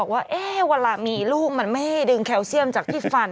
ว่าเวลามีลูกมันไม่ให้ดึงแคลเซียมจากที่ฟัน